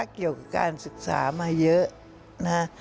เกี่ยวกับการศึกษามาเยอะนะฮะ